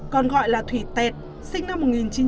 còn gọi là thủy tẹt sinh năm một nghìn chín trăm bảy mươi